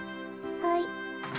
はい。